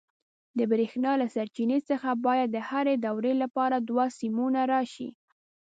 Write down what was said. د برېښنا له سرچینې څخه باید د هرې دورې لپاره دوه سیمونه راشي.